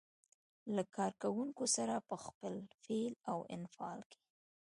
له کار کوونکو سره په خپل فعل او انفعال کې.